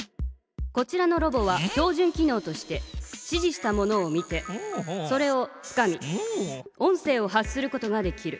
こちらのロボは標じゅん機のうとして指じしたものを見てそれをつかみ音声を発することができる。